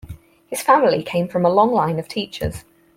His family came from a long line of teachers.